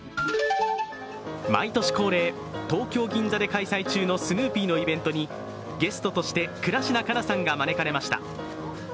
毎年恒例、東京・銀座で開催中のスヌーピーのイベントにゲストとして倉科カナさんが招かれました。